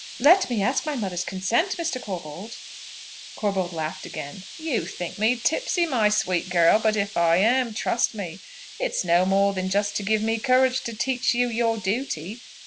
"Let me ask my mother's consent, Mr. Corbold." Corbold laughed aloud. "You think me tipsy, my sweet girl; but if I am, trust me it's no more than just to give me courage to teach you your duty.